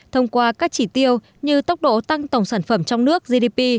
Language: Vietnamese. thông qua các chỉ tiêu như tốc độ tăng tổng sản phẩm trong nước gdp